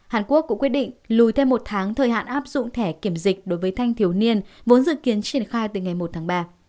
hàn quốc cũng quyết định lùi thêm một tháng thời hạn áp dụng thẻ kiểm dịch đối với thanh thiếu niên vốn dự kiến triển khai từ ngày một tháng ba